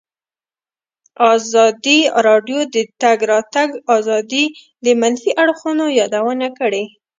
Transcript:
ازادي راډیو د د تګ راتګ ازادي د منفي اړخونو یادونه کړې.